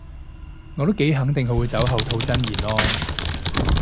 我都幾肯定佢會酒後吐真言囉